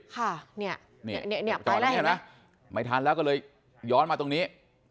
ค่ะเนี่ยตอนแรกเห็นไหมไม่ทันแล้วก็เลยย้อนมาตรงนี้